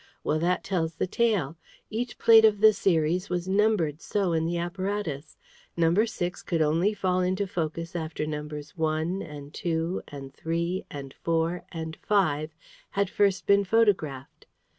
Well, that tells the tale. Each plate of the series was numbered so in the apparatus. Number six could only fall into focus after numbers one, and two, and three, and four, and five, had first been photographed.